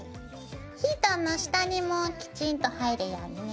ヒートンの下にもきちんと入るようにね。